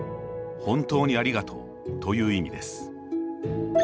本当にありがとうという意味です。